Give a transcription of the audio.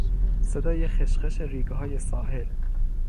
صدای خش خش ریگهای ساحل